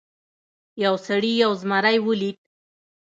یو سړي یو زمری ولید.